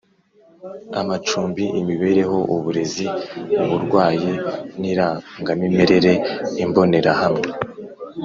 amacumbi imibereho uburezi uburwayi n irangamimerere Imbonerahamwe